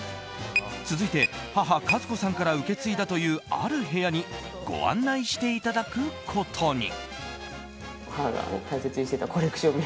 続いて、母・数子さんから受け継いだというある部屋にご案内していただくことに。